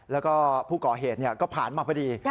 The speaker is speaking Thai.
แล้วก็ผู้ก่อเหตุก็ผ่านมาพอดี